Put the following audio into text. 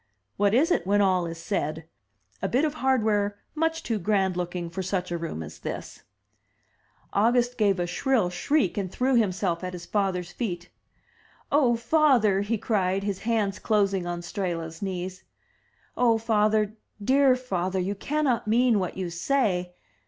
What is it, when all is said? — a bit of hardware much too grand looking for such a room as this." 292 THE TREASURE CHEST August gave a shrill shriek, and threw himself at his father's feet. "Oh, father! he cried, his hands closing on Strehla's knees. "Oh, father, dear father, you cannot mean what you say?